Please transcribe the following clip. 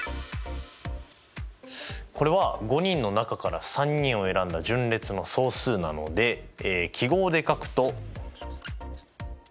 これは５人の中から３人を選んだ順列の総数なので記号で書くと。